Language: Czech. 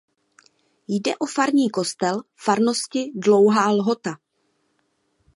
Jde o farní kostel farnosti Dlouhá Lhota.